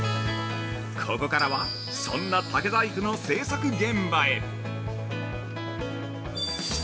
◆ここからは、そんな竹細工の制作現場へ。